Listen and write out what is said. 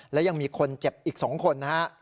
และยังมีคนเจ็บอีก๒คนนะฮะ